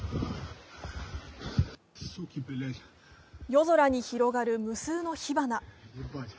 夜空に広がる無数の火花。